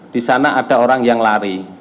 di sana ada orang yang lari